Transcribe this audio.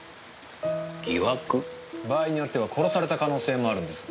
場合によっては殺された可能性もあるんです。